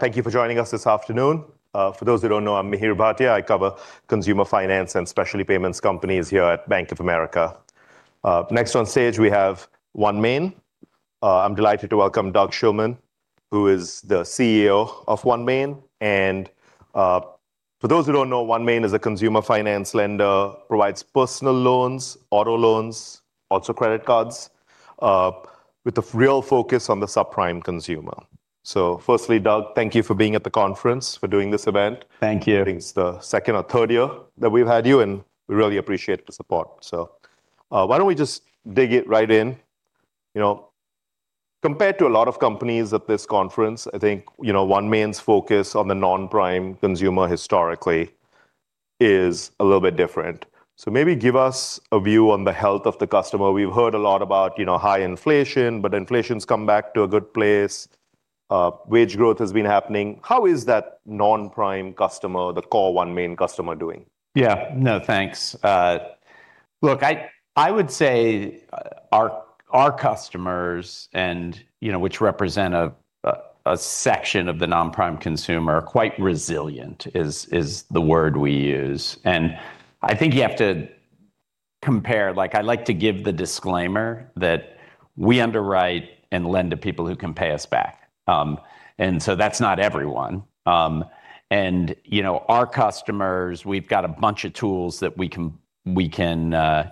Thank you for joining us this afternoon. For those who don't know, I'm Mihir Bhatia. I cover consumer finance and specialty payments companies here at Bank of America. Next on stage, we have OneMain. I'm delighted to welcome Doug Shulman, who is the CEO of OneMain. For those who don't know, OneMain is a consumer finance lender, provides personal loans, auto loans, also credit cards, with a real focus on the subprime consumer. So firstly, Doug, thank you for being at the conference, for doing this event. Thank you. I think it's the second or third year that we've had you, and we really appreciate the support. So, why don't we just dig it right in? You know, compared to a lot of companies at this conference, I think, you know, OneMain's focus on the non-prime consumer historically is a little bit different. So maybe give us a view on the health of the customer. We've heard a lot about, you know, high inflation, but inflation's come back to a good place. Wage growth has been happening. How is that non-prime customer, the core OneMain customer, doing? Yeah. No, thanks. Look, I would say our customers and, you know, which represent a section of the non-prime consumer, are quite resilient, is the word we use. And I think you have to compare... Like, I like to give the disclaimer that we underwrite and lend to people who can pay us back. And so that's not everyone. And, you know, our customers, we've got a bunch of tools that we can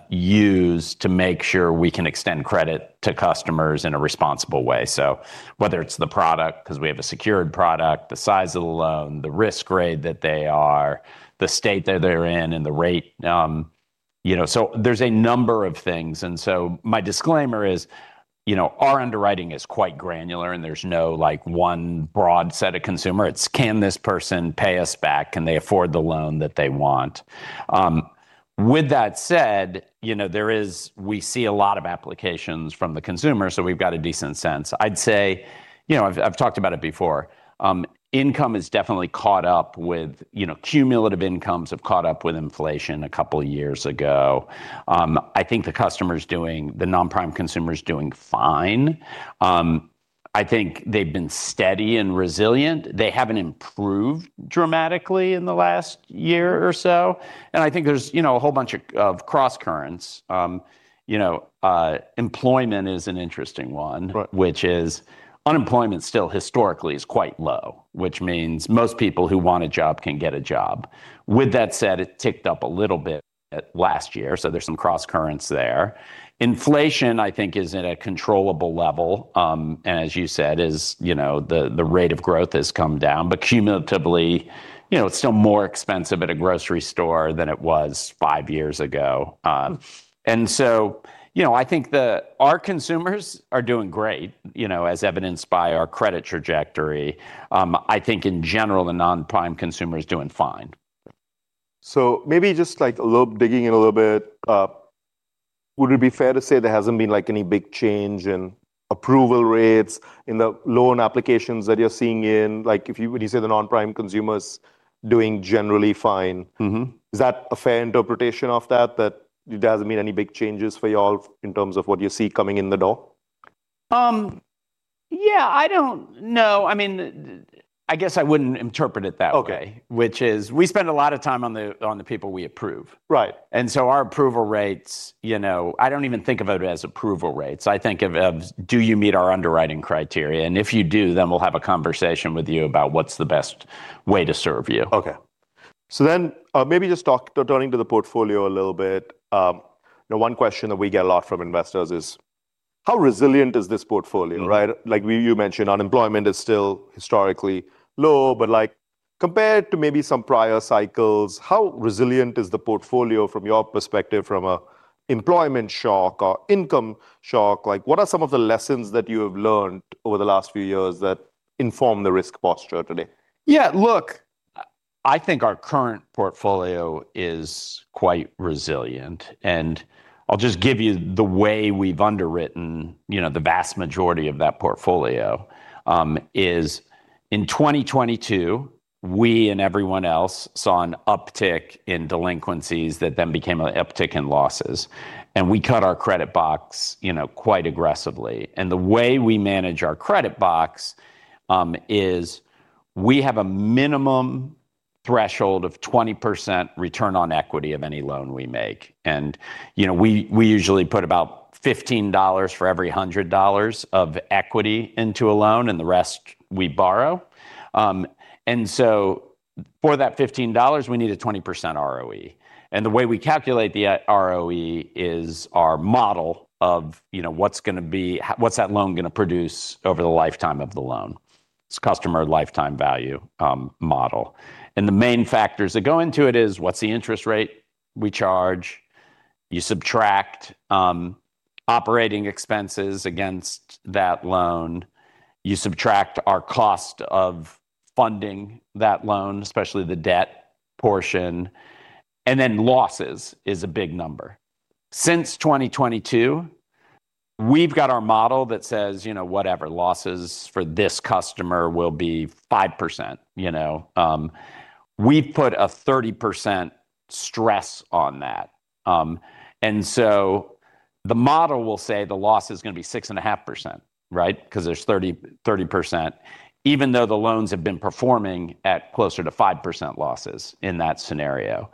use to make sure we can extend credit to customers in a responsible way. So whether it's the product, 'cause we have a secured product, the size of the loan, the risk grade that they are, the state that they're in, and the rate, you know, so there's a number of things. So my disclaimer is, you know, our underwriting is quite granular, and there's no, like, one broad set of consumer. It's: Can this person pay us back? Can they afford the loan that they want? With that said, you know, there is. We see a lot of applications from the consumer, so we've got a decent sense. I'd say, you know, I've talked about it before, income has definitely caught up with, you know, cumulative incomes have caught up with inflation a couple of years ago. I think the customer, the non-prime consumer, is doing fine. I think they've been steady and resilient. They haven't improved dramatically in the last year or so, and I think there's, you know, a whole bunch of crosscurrents. You know, employment is an interesting one. Right... which is unemployment still historically is quite low, which means most people who want a job can get a job. With that said, it ticked up a little bit, last year, so there's some crosscurrents there. Inflation, I think, is at a controllable level, and as you said, is, you know, the rate of growth has come down, but cumulatively, you know, it's still more expensive at a grocery store than it was five years ago. And so, you know, I think our consumers are doing great, you know, as evidenced by our credit trajectory. I think in general, the non-prime consumer is doing fine. So maybe just, like, a little, digging in a little bit, would it be fair to say there hasn't been, like, any big change in approval rates, in the loan applications that you're seeing in? Like, if you-- when you say the non-prime consumer's doing generally fine- Mm-hmm... is that a fair interpretation of that, that it doesn't mean any big changes for y'all in terms of what you see coming in the door? Yeah, I don't know. I mean, I guess I wouldn't interpret it that way. Okay. Which is we spend a lot of time on the people we approve. Right. So our approval rates, you know, I don't even think about it as approval rates. I think of, do you meet our underwriting criteria? And if you do, then we'll have a conversation with you about what's the best way to serve you. Okay. So then, maybe just talk, turning to the portfolio a little bit, you know, one question that we get a lot from investors is: How resilient is this portfolio, right? Mm. Like you mentioned, unemployment is still historically low, but, like, compared to maybe some prior cycles, how resilient is the portfolio from your perspective from an employment shock or income shock? Like, what are some of the lessons that you have learned over the last few years that inform the risk posture today? Yeah, look, I think our current portfolio is quite resilient, and I'll just give you the way we've underwritten, you know, the vast majority of that portfolio, is in 2022, we and everyone else saw an uptick in delinquencies that then became an uptick in losses, and we cut our credit box, you know, quite aggressively. And the way we manage our credit box, is we have a minimum threshold of 20% return on equity of any loan we make. And, you know, we usually put about $15 for every $100 of equity into a loan, and the rest we borrow. And so for that $15, we need a 20% ROE. And the way we calculate the ROE is our model of, you know, what's that loan gonna produce over the lifetime of the loan? It's Customer Lifetime Value model. The main factors that go into it is, what's the interest rate we charge? You subtract operating expenses against that loan. You subtract our cost of funding that loan, especially the debt portion, and then losses is a big number. Since 2022, we've got our model that says, you know, whatever, losses for this customer will be 5%, you know. We put a 30% stress on that. And so the model will say the loss is gonna be 6.5%, right? Because there's 30%, even though the loans have been performing at closer to 5% losses in that scenario.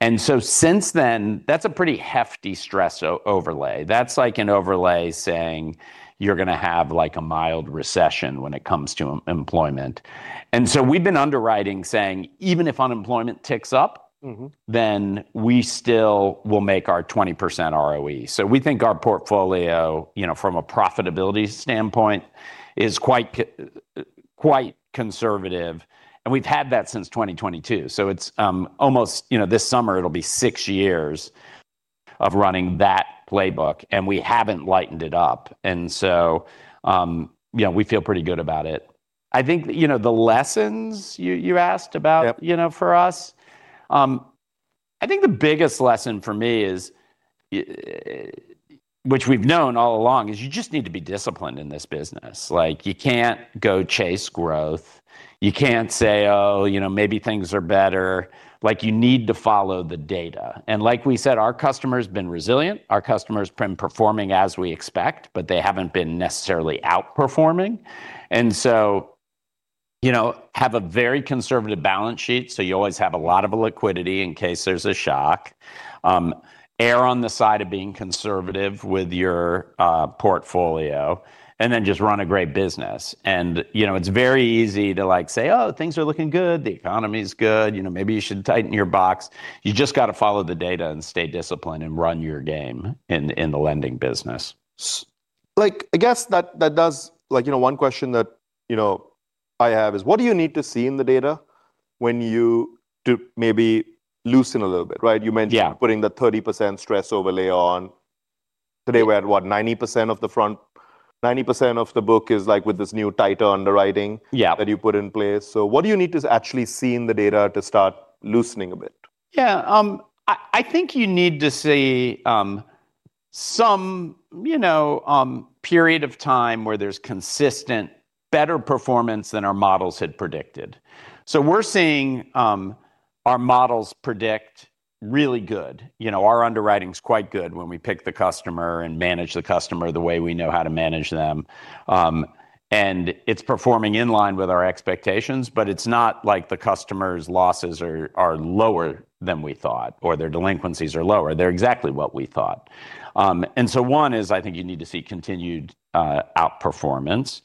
And so since then, that's a pretty hefty stress overlay. That's like an overlay saying you're gonna have, like, a mild recession when it comes to employment. And so we've been underwriting, saying even if unemployment ticks up- Mm-hmm. then we still will make our 20% ROE. So we think our portfolio, you know, from a profitability standpoint, is quite conservative, and we've had that since 2022. So it's almost—you know, this summer it'll be six years of running that playbook, and we haven't lightened it up, and so, you know, we feel pretty good about it. I think, you know, the lessons you asked about— Yep. You know, for us, I think the biggest lesson for me is which we've known all along, is you just need to be disciplined in this business. Like, you can't go chase growth, you can't say, "Oh, you know, maybe things are better." Like, you need to follow the data, and like we said, our customers have been resilient, our customers have been performing as we expect, but they haven't been necessarily outperforming. And so, you know, have a very conservative balance sheet, so you always have a lot of liquidity in case there's a shock. Err on the side of being conservative with your portfolio, and then just run a great business. And, you know, it's very easy to, like, say, "Oh, things are looking good. The economy is good, you know, maybe you should tighten your box. You just got to follow the data and stay disciplined and run your game in the lending business. Like, I guess that does... Like, you know, one question that, you know, I have is, what do you need to see in the data when you- to maybe loosen a little bit, right? You mentioned- Yeah. -putting the 30% stress overlay on. Today, we're at what? 90% of the front-- 90% of the book is, like, with this new tighter underwriting- Yeah that you put in place. So what do you need to actually see in the data to start loosening a bit? Yeah, I think you need to see some, you know, period of time where there's consistent better performance than our models had predicted. So we're seeing our models predict really good. You know, our underwriting is quite good when we pick the customer and manage the customer the way we know how to manage them. And it's performing in line with our expectations, but it's not like the customer's losses are lower than we thought, or their delinquencies are lower. They're exactly what we thought. And so one is, I think you need to see continued outperformance.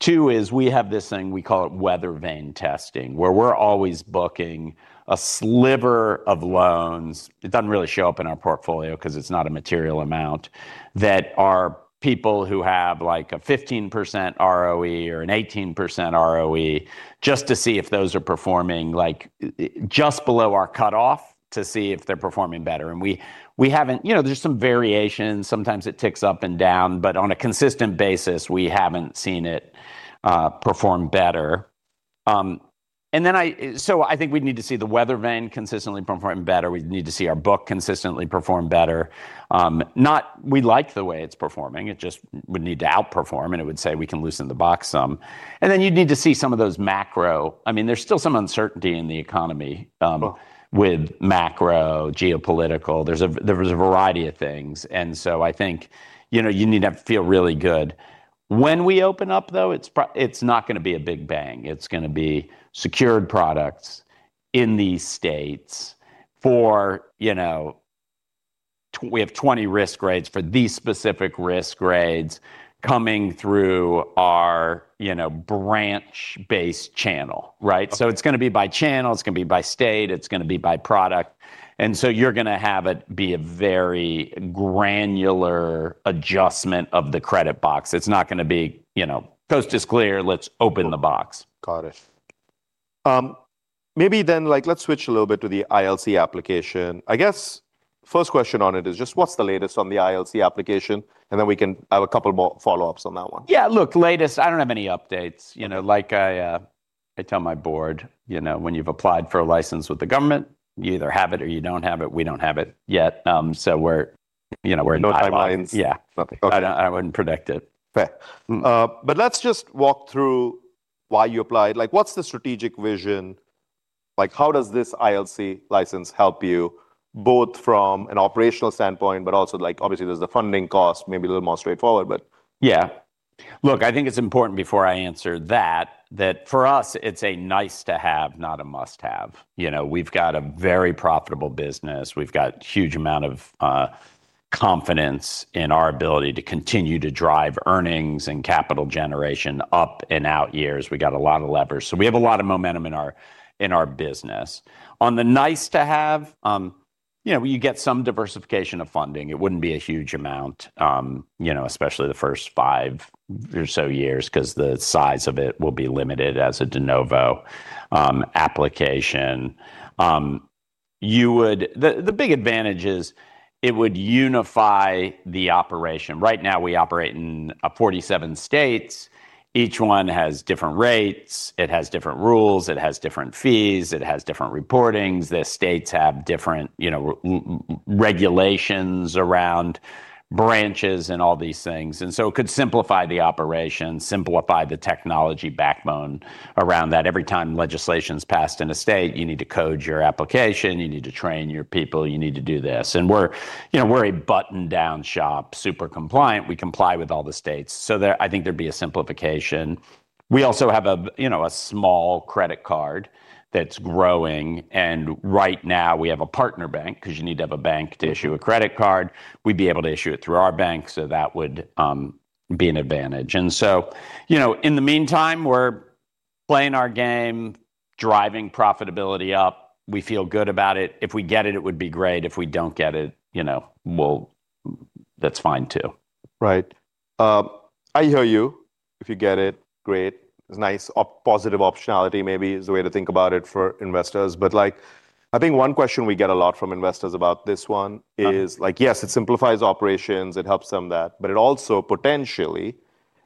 Two is, we have this thing, we call it Weather Vane Testing, where we're always booking a sliver of loans. It doesn't really show up in our portfolio because it's not a material amount, that are people who have, like, a 15% ROE or an 18% ROE, just to see if those are performing, like, just below our cutoff, to see if they're performing better. And we, we haven't, you know, there's some variation, sometimes it ticks up and down, but on a consistent basis, we haven't seen it perform better. And then I, so I think we'd need to see the weather vane consistently performing better. We'd need to see our book consistently perform better. Not, we like the way it's performing, it just would need to outperform, and it would say we can loosen the box some. And then you'd need to see some of those macro. I mean, there's still some uncertainty in the economy. Sure... with macro geopolitical. There's a variety of things, and so I think, you know, you need to feel really good. When we open up, though, it's not gonna be a big bang. It's gonna be secured products in these states for, you know, we have 20 risk grades for these specific risk grades coming through our, you know, branch-based channel, right? Sure. So it's gonna be by channel, it's gonna be by state, it's gonna be by product, and so you're gonna have it be a very granular adjustment of the credit box. It's not gonna be, you know, "Coast is clear, let's open the box. Got it. Maybe then, like, let's switch a little bit to the ILC application. I guess first question on it is just what's the latest on the ILC application? Then we can have a couple more follow-ups on that one. Yeah, look, latest, I don't have any updates. You know, like I tell my board, you know, when you've applied for a license with the government, you either have it or you don't have it. We don't have it yet, so we're, you know, we're- No timelines. Yeah. Okay, got it. I don't. I wouldn't predict it. Fair. But let's just walk through why you applied, like, what's the strategic vision? Like, how does this ILC license help you, both from an operational standpoint, but also, like, obviously, there's the funding cost, maybe a little more straightforward, but- Yeah. Look, I think it's important before I answer that, that for us, it's a nice to have, not a must-have. You know, we've got a very profitable business. We've got huge amount of confidence in our ability to continue to drive earnings and capital generation up and out years. We got a lot of leverage. So we have a lot of momentum in our business. On the nice to have, you know, you get some diversification of funding. It wouldn't be a huge amount, you know, especially the first 5 or so years, 'cause the size of it will be limited as a de novo application. So the big advantage is it would unify the operation. Right now, we operate in 47 states. Each one has different rates, it has different rules, it has different fees, it has different reportings. The states have different, you know, regulations around branches and all these things. So it could simplify the operation, simplify the technology backbone around that. Every time legislation's passed in a state, you need to code your application, you need to train your people, you need to do this. And we're, you know, we're a button-down shop, super compliant. We comply with all the states. So I think there'd be a simplification. We also have a, you know, a small credit card that's growing, and right now, we have a partner bank, 'cause you need to have a bank to issue a credit card. We'd be able to issue it through our bank, so that would be an advantage. And so, you know, in the meantime, we're playing our game, driving profitability up. We feel good about it. If we get it, it would be great. If we don't get it, you know, we'll, that's fine, too. Right. I hear you. If you get it, great. It's nice. A positive optionality maybe is the way to think about it for investors. But, like, I think one question we get a lot from investors about this one is- Yeah... like, yes, it simplifies operations, it helps them that, but it also potentially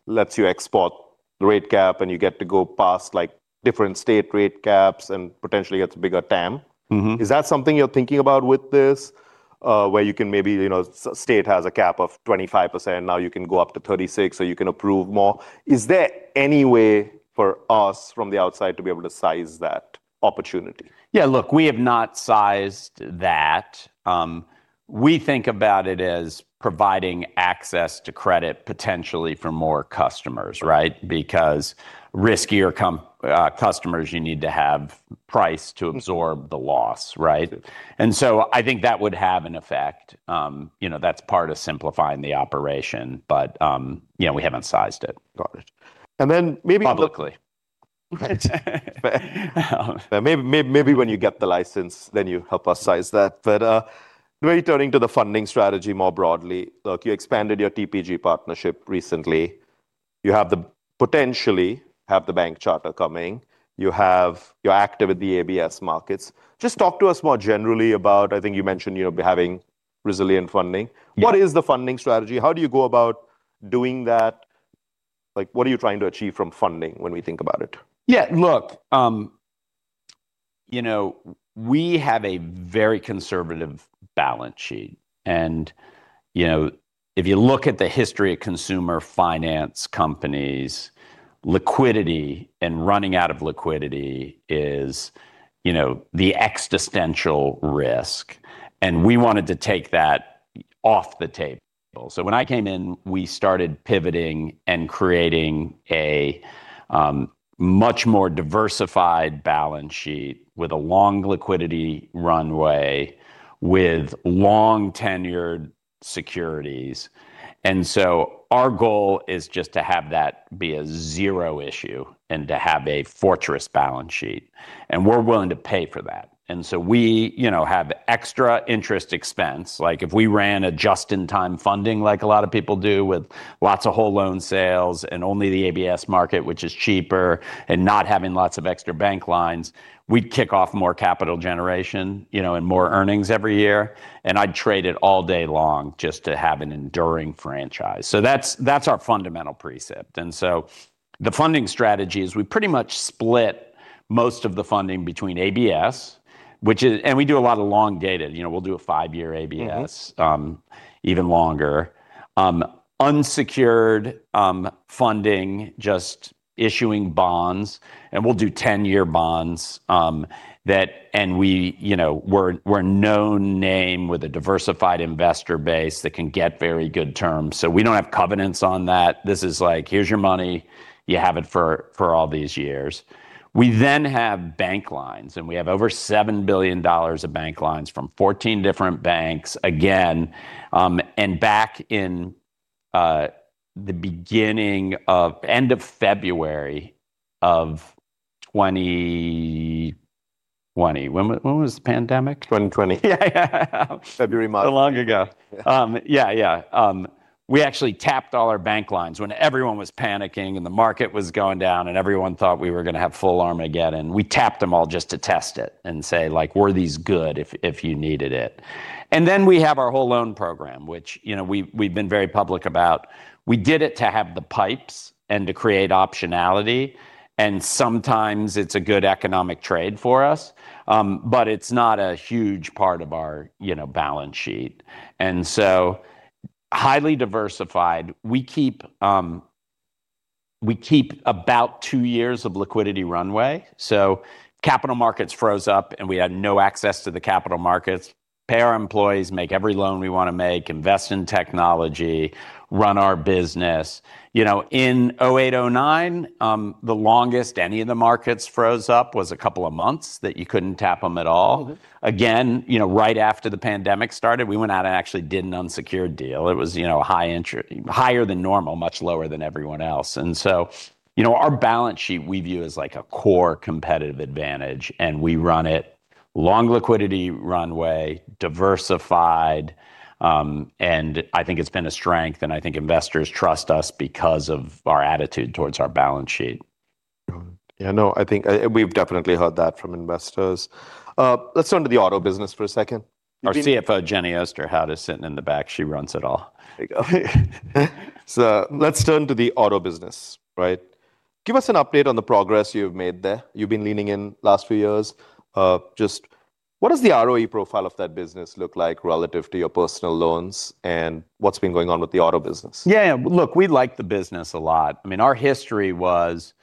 lets you export the rate cap and you get to go past, like, different state rate caps and potentially gets a bigger TAM. Mm-hmm. Is that something you're thinking about with this, where you can maybe, you know, a state has a cap of 25%, now you can go up to 36%, so you can approve more? Is there any way for us from the outside to be able to size that opportunity? Yeah, look, we have not sized that. We think about it as providing access to credit potentially for more customers, right? Because riskier customers, you need to have price to absorb the loss, right? Mm-hmm. And so I think that would have an effect. You know, that's part of simplifying the operation, but, you know, we haven't sized it. Got it. And then maybe- Publicly. Maybe, maybe, maybe when you get the license, then you help us size that. But, returning to the funding strategy more broadly, look, you expanded your TPG partnership recently. You have the potentially have the bank charter coming. You're active with the ABS markets. Just talk to us more generally about, I think you mentioned you having resilient funding. Yeah. What is the funding strategy? How do you go about doing that? Like, what are you trying to achieve from funding when we think about it? Yeah, look, you know, we have a very conservative balance sheet. And, you know, if you look at the history of consumer finance companies, liquidity and running out of liquidity is, you know, the existential risk, and we wanted to take that off the table. So when I came in, we started pivoting and creating a much more diversified balance sheet with a long liquidity runway, with long-tenured securities. And so our goal is just to have that be a zero issue and to have a fortress balance sheet, and we're willing to pay for that. And so we, you know, have extra interest expense. Like, if we ran a just-in-time funding, like a lot of people do, with lots of whole loan sales and only the ABS market, which is cheaper, and not having lots of extra bank lines, we'd kick off more capital generation, you know, and more earnings every year, and I'd trade it all day long just to have an enduring franchise. So that's, that's our fundamental precept. And so the funding strategy is we pretty much split most of the funding between ABS, which is, and we do a lot of long dated. You know, we'll do a five-year ABS- Mm-hmm... even longer. Unsecured funding, just issuing bonds, and we'll do ten-year bonds, that- and we, you know, we're a known name with a diversified investor base that can get very good terms. So we don't have covenants on that. This is like, "Here's your money. You have it for, for all these years." We then have bank lines, and we have over $7 billion of bank lines from 14 different banks. Again, and back in, the beginning of-- end of February of 2020. When was the pandemic? 2020. Yeah, February, March. So long ago. Yeah. Yeah, yeah. We actually tapped all our bank lines when everyone was panicking, and the market was going down, and everyone thought we were going to have full Armageddon. We tapped them all just to test it and say, like, "Were these good if, if you needed it?" And then we have our whole loan program, which, you know, we've, we've been very public about. We did it to have the pipes and to create optionality, and sometimes it's a good economic trade for us, but it's not a huge part of our, you know, balance sheet. And so highly diversified. We keep, we keep about two years of liquidity runway, so capital markets froze up, and we had no access to the capital markets. Pay our employees, make every loan we want to make, invest in technology, run our business. You know, in 2008, 2009, the longest any of the markets froze up was a couple of months that you couldn't tap them at all. Mm-hmm. Again, you know, right after the pandemic started, we went out and actually did an unsecured deal. It was, you know, higher than normal, much lower than everyone else. And so, you know, our balance sheet, we view as like a core competitive advantage, and we run it long liquidity runway, diversified, and I think it's been a strength, and I think investors trust us because of our attitude towards our balance sheet.... Yeah, no, I think, we've definitely heard that from investors. Let's turn to the auto business for a second. Our CFO, Jenny Osterhout, who is sitting in the back, she runs it all. So let's turn to the auto business, right? Give us an update on the progress you've made there. You've been leaning in last few years. Just what does the ROE profile of that business look like relative to your personal loans, and what's been going on with the auto business? Yeah, look, we like the business a lot. I mean, our history was,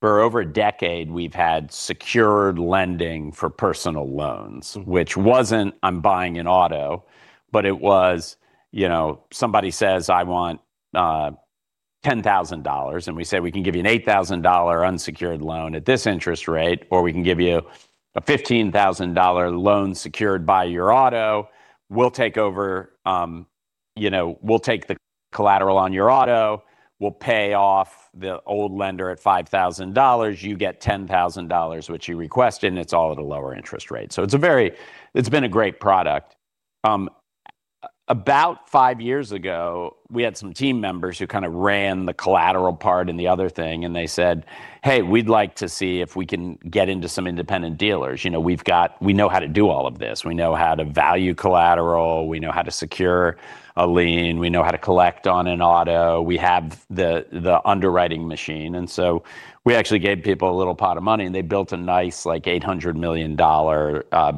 for over a decade, we've had secured lending for personal loans, which wasn't, "I'm buying an auto", but it was, you know, somebody says, "I want $10,000" and we say: "We can give you an $8,000 unsecured loan at this interest rate, or we can give you a $15,000 loan secured by your auto. We'll take over, you know, we'll take the collateral on your auto. We'll pay off the old lender at $5,000. You get $10,000, which you requested, and it's all at a lower interest rate." So it's a very-- it's been a great product. About five years ago, we had some team members who kind of ran the collateral part and the other thing, and they said, "Hey, we'd like to see if we can get into some independent dealers. You know, we've got-- We know how to do all of this. We know how to value collateral, we know how to secure a lien, we have the underwriting machine." And so we actually gave people a little pot of money, and they built a nice, like, $800 million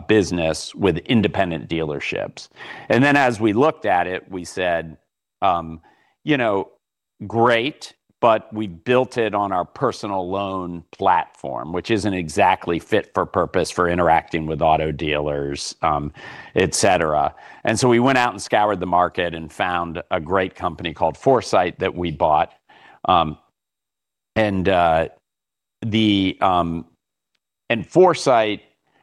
business with independent dealerships. And then, as we looked at it, we said, you know, "Great," but we built it on our personal loan platform, which isn't exactly fit for purpose for interacting with auto dealers, et cetera. And so we went out and scoured the market and found a great company called Foursight that we bought. And Foursight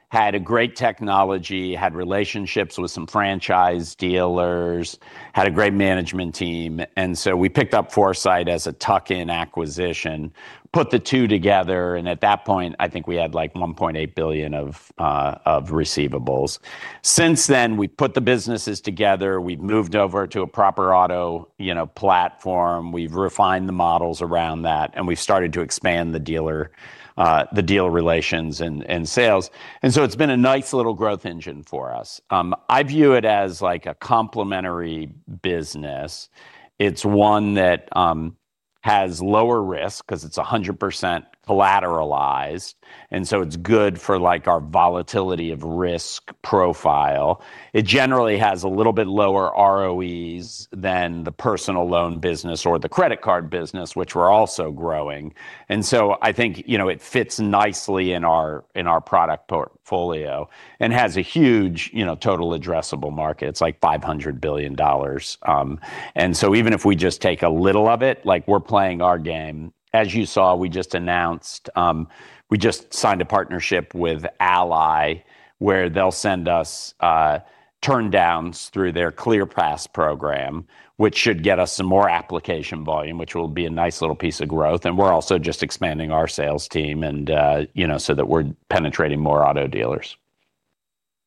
had a great technology, had relationships with some franchise dealers, had a great management team, and so we picked up Foursight as a tuck-in acquisition, put the two together, and at that point, I think we had, like, $1.8 billion of receivables. Since then, we've put the businesses together. We've moved over to a proper auto, you know, platform. We've refined the models around that, and we've started to expand the dealer relations and sales. And so it's been a nice little growth engine for us. I view it as like a complementary business. It's one that has lower risk because it's 100% collateralized, and so it's good for, like, our volatility of risk profile. It generally has a little bit lower ROEs than the personal loan business or the credit card business, which we're also growing. And so I think, you know, it fits nicely in our, in our product portfolio and has a huge, you know, total addressable market. It's like $500 billion. And so even if we just take a little of it, like, we're playing our game. As you saw, we just announced. We just signed a partnership with Ally, where they'll send us turndowns through their ClearPass program, which should get us some more application volume, which will be a nice little piece of growth, and we're also just expanding our sales team, and you know, so that we're penetrating more auto dealers.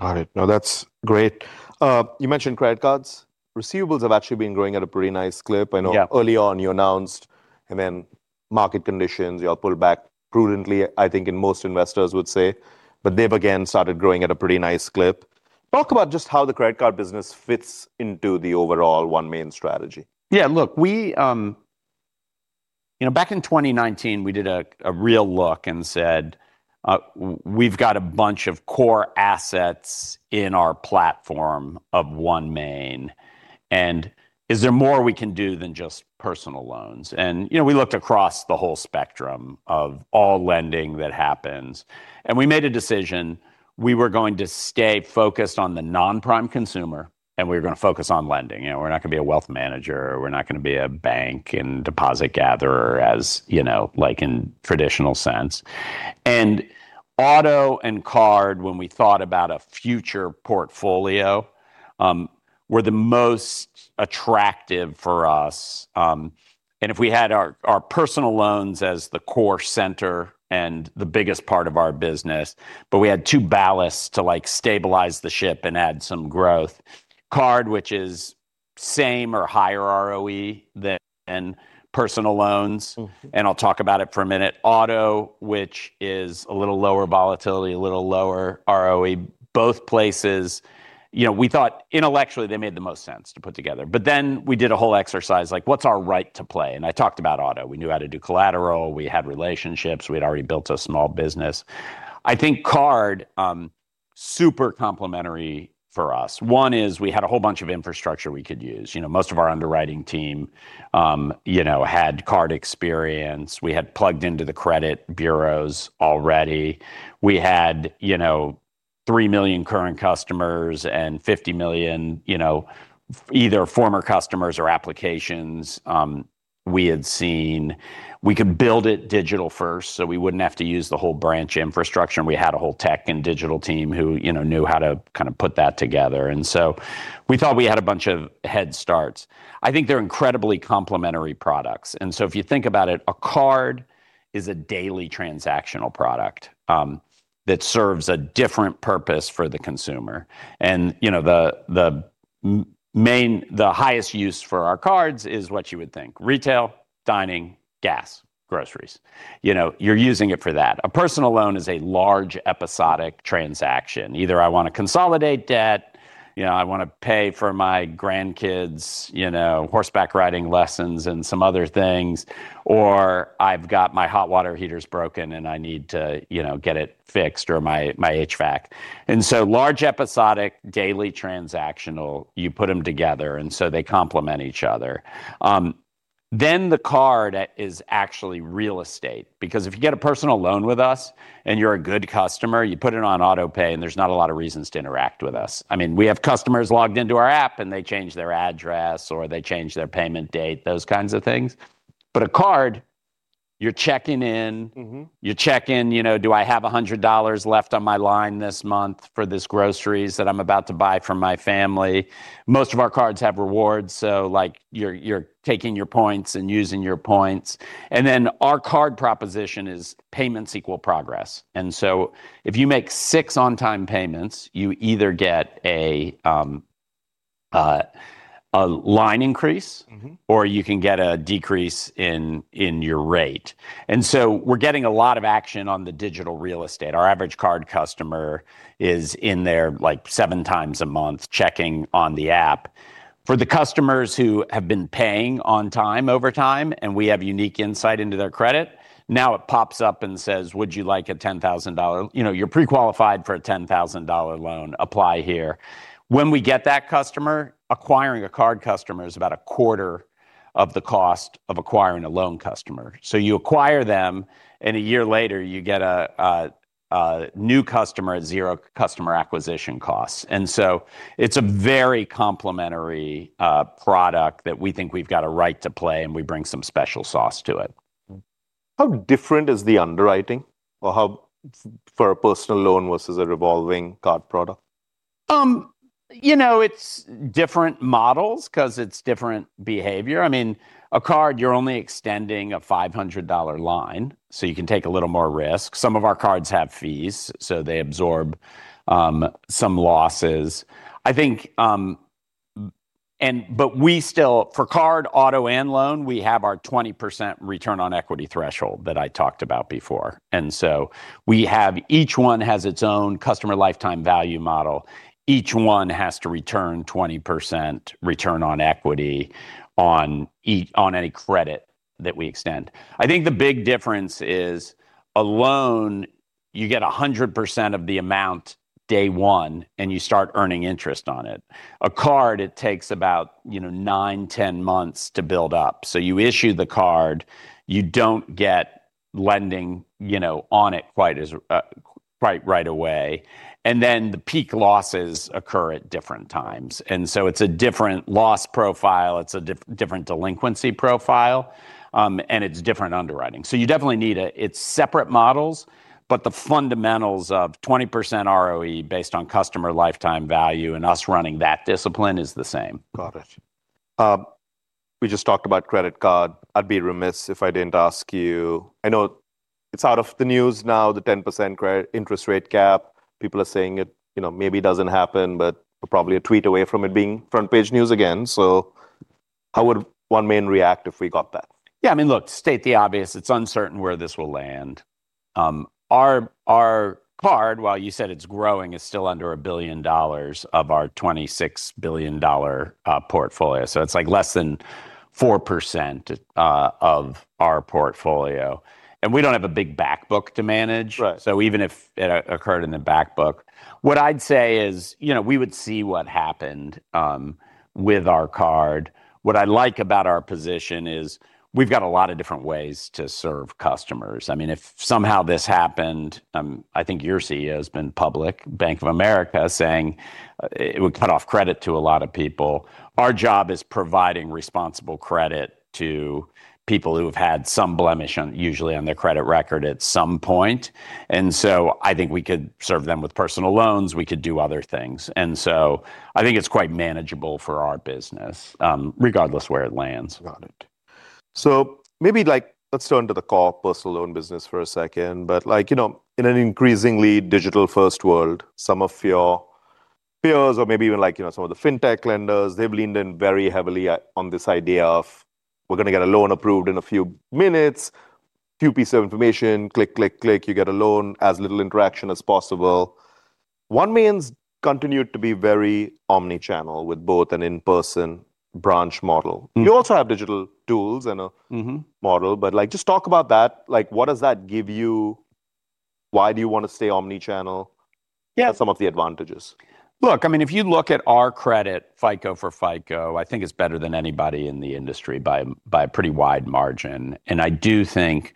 Got it. No, that's great. You mentioned credit cards. Receivables have actually been growing at a pretty nice clip. Yeah. I know early on you announced, and then market conditions, you all pulled back prudently, I think, and most investors would say, but they've again started growing at a pretty nice clip. Talk about just how the credit card business fits into the overall OneMain strategy. Yeah, look, we... You know, back in 2019, we did a real look and said, "We've got a bunch of core assets in our platform of OneMain, and is there more we can do than just personal loans?" And, you know, we looked across the whole spectrum of all lending that happens, and we made a decision. We were going to stay focused on the non-prime consumer, and we were going to focus on lending. You know, we're not going to be a wealth manager, we're not going to be a bank and deposit gatherer, as, you know, like in traditional sense. And auto and card, when we thought about a future portfolio, were the most attractive for us. And if we had our personal loans as the core center and the biggest part of our business, but we had two ballasts to, like, stabilize the ship and add some growth. Card, which is same or higher ROE than personal loans- Mm-hmm. - and I'll talk about it for a minute. Auto, which is a little lower volatility, a little lower ROE, both places, you know, we thought intellectually, they made the most sense to put together. But then we did a whole exercise, like, what's our right to play? And I talked about auto. We knew how to do collateral, we had relationships, we'd already built a small business. I think card, super complementary for us. One is we had a whole bunch of infrastructure we could use. You know, most of our underwriting team, you know, had card experience. We had plugged into the credit bureaus already. We had, you know, 3 million current customers and 50 million, you know, either former customers or applications, we had seen. We could build it digital first, so we wouldn't have to use the whole branch infrastructure, and we had a whole tech and digital team who, you know, knew how to kind of put that together. And so we thought we had a bunch of head starts. I think they're incredibly complementary products. And so if you think about it, a card is a daily transactional product that serves a different purpose for the consumer. And, you know, the main, the highest use for our cards is what you would think: retail, dining, gas, groceries. You know, you're using it for that. A personal loan is a large episodic transaction. Either I want to consolidate debt, you know, I want to pay for my grandkids, you know, horseback riding lessons and some other things, or I've got my hot water heater's broken, and I need to, you know, get it fixed, or my, my HVAC. And so large, episodic, daily, transactional, you put them together, and so they complement each other. Then the card is actually real estate, because if you get a personal loan with us, and you're a good customer, you put it on auto pay, and there's not a lot of reasons to interact with us. I mean, we have customers logged into our app, and they change their address, or they change their payment date, those kinds of things. But a card, you're checking in- Mm-hmm. You check in, you know, "Do I have $100 left on my line this month for this groceries that I'm about to buy for my family?" Most of our cards have rewards, so, like, you're, you're taking your points and using your points, and then our card proposition is payments equal progress. And so if you make six on-time payments, you either get a, a line increase- Mm-hmm... or you can get a decrease in your rate. So we're getting a lot of action on the digital real estate. Our average card customer is in there, like, 7 times a month, checking on the app. For the customers who have been paying on time over time, and we have unique insight into their credit, now it pops up and says, "Would you like a $10,000? You know, you're pre-qualified for a $10,000 loan. Apply here." When we get that customer, acquiring a card customer is about a quarter of the cost of acquiring a loan customer. So you acquire them, and a year later, you get a new customer at 0 customer acquisition costs, and so it's a very complementary product that we think we've got a right to play, and we bring some special sauce to it. How different is the underwriting or how for a personal loan versus a revolving card product? You know, it's different models because it's different behavior. I mean, a card, you're only extending a $500 line, so you can take a little more risk. Some of our cards have fees, so they absorb some losses. I think, but we still, for card, auto, and loan, we have our 20% return on equity threshold that I talked about before, and so each one has its own customer lifetime value model. Each one has to return 20% return on equity on any credit that we extend. I think the big difference is a loan, you get 100% of the amount day one, and you start earning interest on it. A card, it takes about, you know, 9, 10 months to build up. So you issue the card, you don't get lending, you know, on it quite as quickly, right, right away, and then the peak losses occur at different times. And so it's a different loss profile, it's a different delinquency profile, and it's different underwriting. So you definitely need. It's separate models, but the fundamentals of 20% ROE based on customer lifetime value and us running that discipline is the same. Got it. We just talked about credit card. I'd be remiss if I didn't ask you... I know it's out of the news now, the 10% credit interest rate cap. People are saying it, you know, maybe doesn't happen, but we're probably a tweet away from it being front-page news again. So how would OneMain react if we got that? Yeah, I mean, look, to state the obvious, it's uncertain where this will land. Our card, while you said it's growing, is still under $1 billion of our $26 billion portfolio, so it's like less than 4% of our portfolio, and we don't have a big back book to manage. Right. So even if it occurred in the back book, what I'd say is, you know, we would see what happened with our card. What I like about our position is we've got a lot of different ways to serve customers. I mean, if somehow this happened, I think your CEO has been public, Bank of America, saying it would cut off credit to a lot of people. Our job is providing responsible credit to people who have had some blemish on, usually on their credit record at some point, and so I think we could serve them with personal loans, we could do other things, and so I think it's quite manageable for our business, regardless of where it lands. Got it. So maybe, like, let's turn to the core personal loan business for a second. But, like, you know, in an increasingly digital-first world, some of your peers or maybe even like, you know, some of the fintech lenders, they've leaned in very heavily on this idea of: We're going to get a loan approved in a few minutes, few pieces of information, click, click, click, you get a loan, as little interaction as possible. OneMain's continued to be very omni-channel, with both an in-person branch model. Mm-hmm. You also have digital tools and Mm-hmm... model, but, like, just talk about that. Like, what does that give you? Why do you want to stay omni-channel? Yeah. What are some of the advantages? Look, I mean, if you look at our credit, FICO for FICO, I think it's better than anybody in the industry by a pretty wide margin, and I do think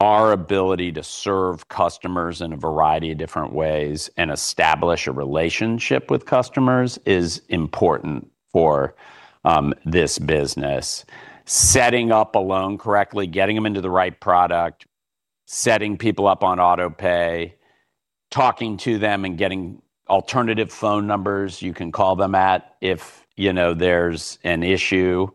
our ability to serve customers in a variety of different ways and establish a relationship with customers is important for this business. Setting up a loan correctly, getting them into the right product, setting people up on auto pay, talking to them and getting alternative phone numbers you can call them at if, you know, there's an issue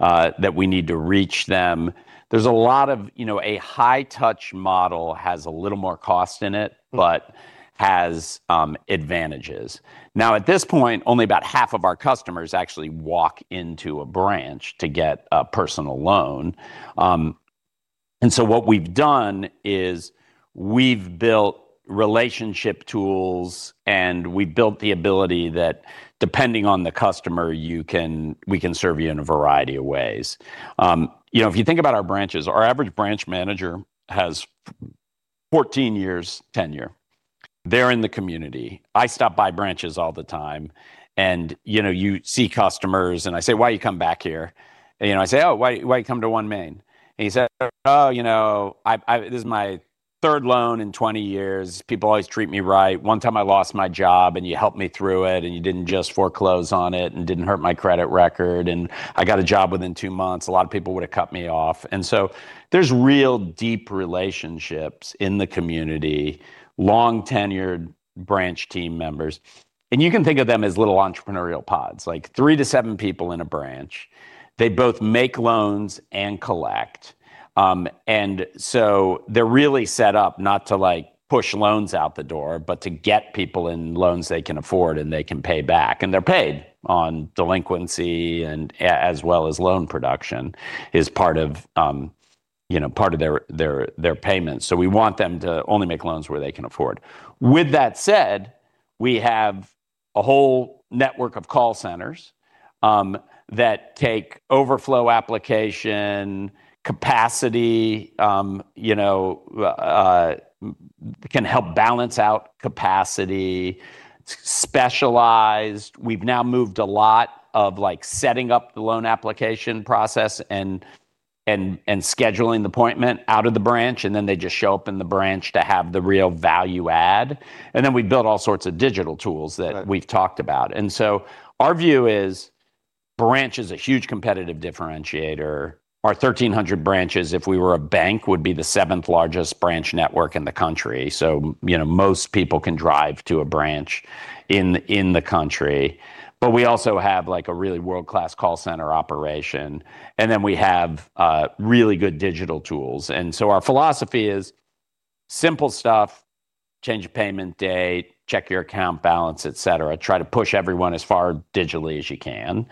that we need to reach them. There's a lot of, you know, a high-touch model has a little more cost in it- Mm... but has advantages. Now, at this point, only about half of our customers actually walk into a branch to get a personal loan. And so what we've done is we've built relationship tools, and we built the ability that depending on the customer, you can—we can serve you in a variety of ways. You know, if you think about our branches, our average branch manager has 14 years tenure. They're in the community. I stop by branches all the time, and, you know, you see customers, and I say: "Why you come back here?" And, you know, I say: "Oh, why, why you come to OneMain?" And he said, "Oh, you know, this is my third loan in 20 years. People always treat me right. One time I lost my job, and you helped me through it, and you didn't just foreclose on it and didn't hurt my credit record, and I got a job within 2 months. A lot of people would have cut me off." And so there's real deep relationships in the community, long-tenured branch team members, and you can think of them as little entrepreneurial pods, like 3-7 people in a branch. They both make loans and collect. And so they're really set up not to, like, push loans out the door, but to get people in loans they can afford and they can pay back. And they're paid on delinquency and as well as loan production, is part of, you know, part of their payments. So we want them to only make loans where they can afford. With that said, we have a whole network of call centers that take overflow application capacity, you know, can help balance out capacity, specialized. We've now moved a lot of, like, setting up the loan application process and scheduling the appointment out of the branch, and then they just show up in the branch to have the real value add. Then we built all sorts of digital tools that- Right... we've talked about. And so our view is branch is a huge competitive differentiator. Our 1,300 branches, if we were a bank, would be the seventh-largest branch network in the country. So, you know, most people can drive to a branch in the country. But we also have, like, a really world-class call center operation, and then we have really good digital tools. And so our philosophy is simple stuff, change your payment date, check your account balance, et cetera. Try to push everyone as far digitally as you can.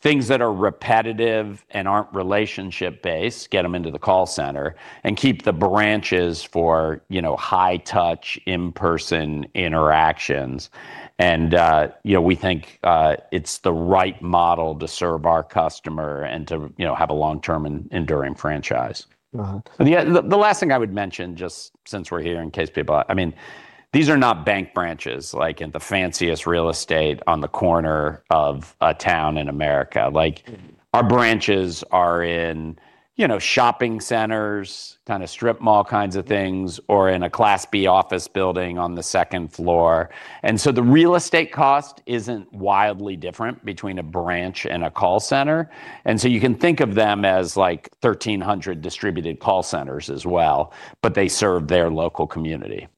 Things that are repetitive and aren't relationship-based, get them into the call center and keep the branches for, you know, high touch, in-person interactions. And you know, we think it's the right model to serve our customer and to, you know, have a long-term and enduring franchise. Uh-huh. Yeah, the last thing I would mention, just since we're here, in case people—I mean, these are not bank branches, like in the fanciest real estate on the corner of a town in America. Like- Mm-hmm. Our branches are in, you know, shopping centers, kind of strip mall kinds of things, or in a Class B office building on the second floor. And so the real estate cost isn't wildly different between a branch and a call center. And so you can think of them as like 1,300 distributed call centers as well, but they serve their local community.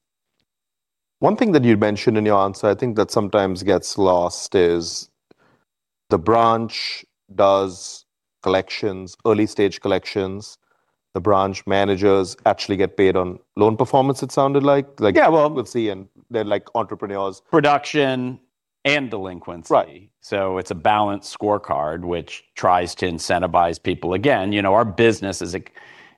One thing that you mentioned in your answer, I think that sometimes gets lost, is the branch does collections, early-stage collections. The branch managers actually get paid on loan performance, it sounded like? Like, yeah, well- We'll see, and they're like entrepreneurs. Production and delinquency. Right. It's a balanced scorecard which tries to incentivize people. Again, you know, our business is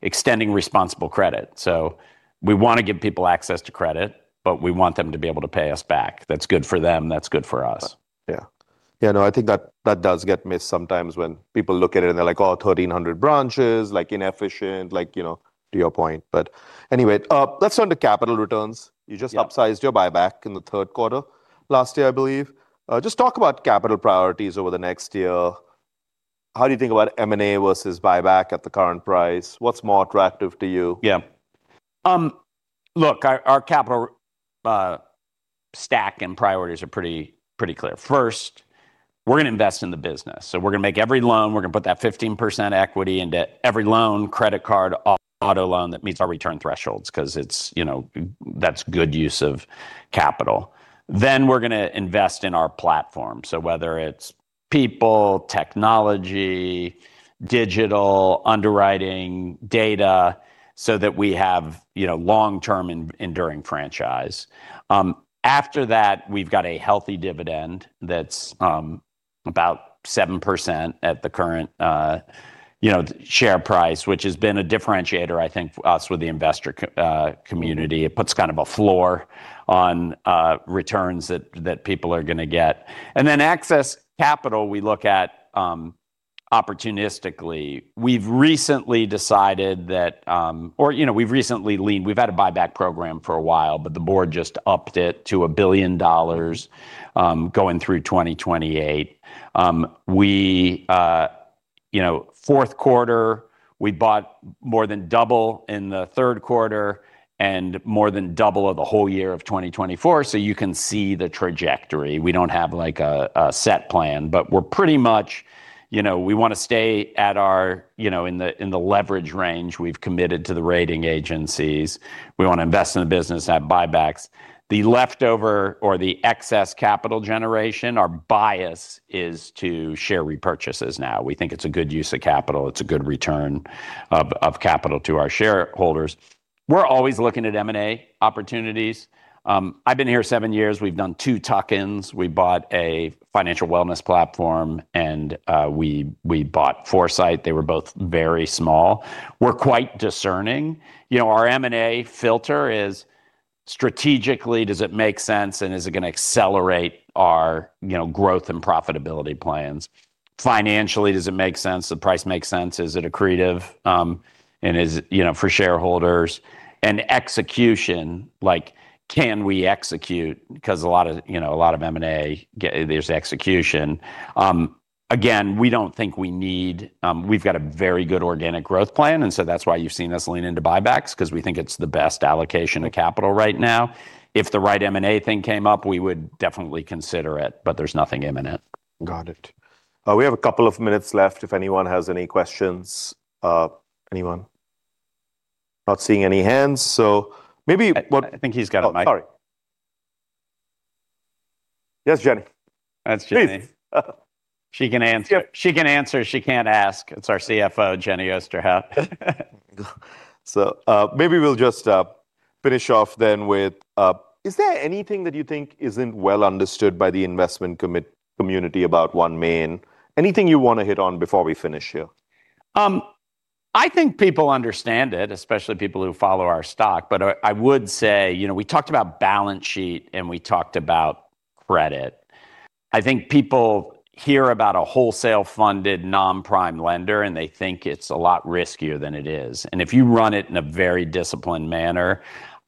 extending responsible credit, so we want to give people access to credit, but we want them to be able to pay us back. That's good for them, that's good for us. Yeah. Yeah, no, I think that, that does get missed sometimes when people look at it and they're like, "Oh, 1,300 branches, like inefficient," like, you know, to your point. But anyway, let's turn to capital returns. Yeah. You just upsized your buyback in the third quarter last year, I believe. Just talk about capital priorities over the next year. How do you think about M&A versus buyback at the current price? What's more attractive to you? Yeah. Look, our capital stack and priorities are pretty clear. First, we're gonna invest in the business. So we're gonna make every loan, we're gonna put that 15% equity into every loan, credit card, auto loan that meets our return thresholds, 'cause it's... you know, that's good use of capital. Then we're gonna invest in our platform. So whether it's people, technology, digital, underwriting, data, so that we have, you know, long-term and enduring franchise. After that, we've got a healthy dividend that's about 7% at the current, you know, share price, which has been a differentiator, I think, for us with the investor community. It puts kind of a floor on returns that people are gonna get. And then excess capital, we look at opportunistically. We've recently decided that, or you know, We've had a buyback program for a while, but the board just upped it to $1 billion, going through 2028. Fourth quarter, we bought more than double in the third quarter and more than double of the whole year of 2024, so you can see the trajectory. We don't have, like, a set plan, but we're pretty much... you know, we want to stay at our-- you know, in the leverage range we've committed to the rating agencies. We want to invest in the business, have buybacks. The leftover or the excess capital generation, our bias is to share repurchases now. We think it's a good use of capital. It's a good return of capital to our shareholders. We're always looking at M&A opportunities. I've been here seven years. We've done two tuck-ins. We bought a financial wellness platform, and we bought Foursight. They were both very small. We're quite discerning. You know, our M&A filter is strategically, does it make sense, and is it gonna accelerate our, you know, growth and profitability plans? Financially, does it make sense? The price makes sense. Is it accretive? And is, you know, for shareholders and execution, like, can we execute? Because a lot of, you know, a lot of M&A, there's execution. Again, we don't think we need. We've got a very good organic growth plan, and so that's why you've seen us lean into buybacks, because we think it's the best allocation of capital right now. If the right M&A thing came up, we would definitely consider it, but there's nothing imminent. Got it. We have a couple of minutes left if anyone has any questions. Anyone? Not seeing any hands, so maybe what- I think he's got a mic. Sorry. Yes, Jenny. That's Jenny. Please. She can answer- Yep. She can answer, she can't ask. It's our CFO, Jenny Osterhout. So, maybe we'll just finish off then with, is there anything that you think isn't well understood by the investment community about OneMain? Anything you want to hit on before we finish here? I think people understand it, especially people who follow our stock. But I, I would say, you know, we talked about balance sheet, and we talked about credit. I think people hear about a wholesale-funded, non-prime lender, and they think it's a lot riskier than it is. And if you run it in a very disciplined manner,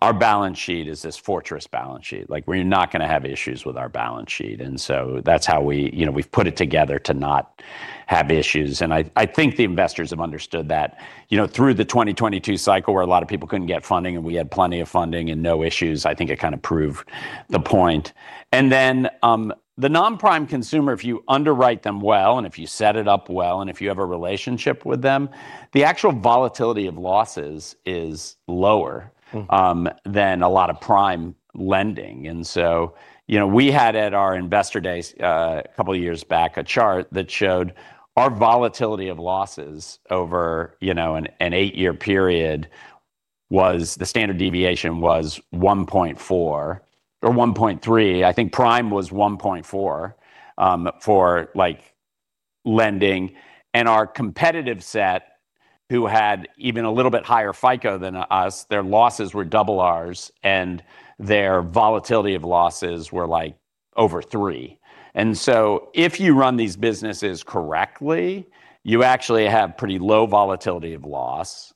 our balance sheet is this fortress balance sheet. Like, we're not gonna have issues with our balance sheet, and so that's how we, you know, we've put it together to not have issues. And I, I think the investors have understood that, you know, through the 2022 cycle, where a lot of people couldn't get funding, and we had plenty of funding and no issues, I think it kind of proved the point. And then, the non-prime consumer, if you underwrite them well, and if you set it up well, and if you have a relationship with them, the actual volatility of losses is lower. Mm. than a lot of prime lending. And so, you know, we had at our investor days, a couple of years back, a chart that showed our volatility of losses over, you know, an 8-year period, was, the standard deviation was 1.4 or 1.3. I think prime was 1.4, for, like, lending. And our competitive set, who had even a little bit higher FICO than us, their losses were double ours, and their volatility of losses were, like, over 3. And so if you run these businesses correctly, you actually have pretty low volatility of loss.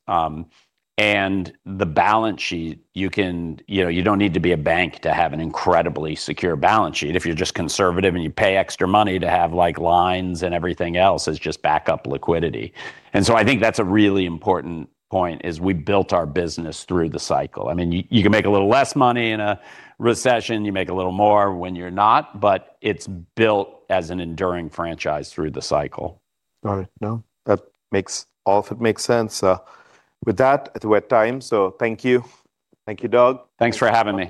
And the balance sheet, you can. You know, you don't need to be a bank to have an incredibly secure balance sheet. If you're just conservative and you pay extra money to have, like, lines and everything else, as just backup liquidity. And so I think that's a really important point, is we built our business through the cycle. I mean, you can make a little less money in a recession, you make a little more when you're not, but it's built as an enduring franchise through the cycle. All right. No, that makes, all of it makes sense. With that, we're at time, so thank you. Thank you, Doug. Thanks for having me.